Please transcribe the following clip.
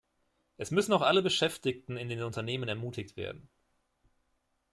Es müssen auch alle Beschäftigten in den Unternehmen ermutigt werden.